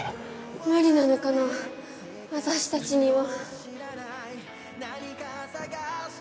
無理なのかな私達には